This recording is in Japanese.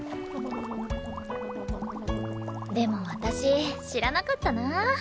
でも私知らなかったな。